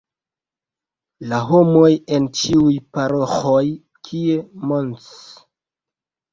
La homoj en ĉiuj paroĥoj, kie Mons.